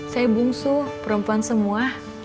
saya bungsu perempuan semua